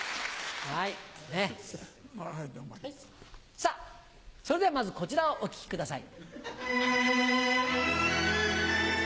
さぁそれではまずこちらをお聞きください。